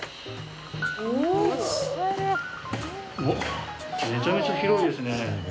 うわっめちゃめちゃ広いですね。